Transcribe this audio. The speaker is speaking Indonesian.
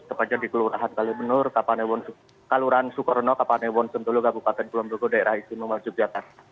sepatnya di kelurahan kalimantan kaluran sukarno kapal newon sentulung kabupaten kulomboko daerah itu nomor jogja